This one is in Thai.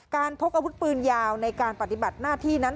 พกอาวุธปืนยาวในการปฏิบัติหน้าที่นั้น